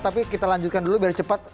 tapi kita lanjutkan dulu biar cepat